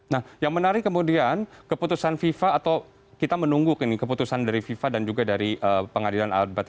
nah yang menarik kemudian keputusan fifa atau kita menunggu keputusan dari fifa dan juga dari pengadilan al baterai